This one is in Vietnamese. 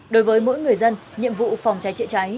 đối với mỗi người dân nhiệm vụ phòng cháy chữa cháy